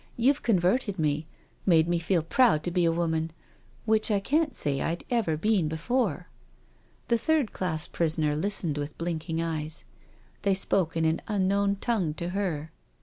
You've converted me— made me feel proud to be a woman— which I can't say I'd ever been before." The third class prisoner listened with blinking eyes. They spoke in an unknown tongue to her.